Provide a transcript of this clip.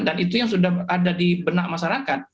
dan itu yang sudah ada di benak masyarakat